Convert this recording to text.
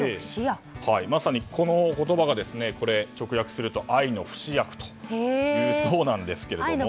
まさにこの言葉を直訳すると愛の不死薬というそうなんですけれども。